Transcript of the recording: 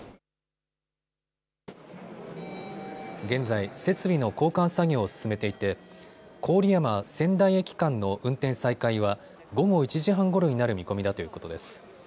現在、設備の交換作業を進めていて郡山・仙台駅間の運転再開は午後１時半ごろになる見込みだということです。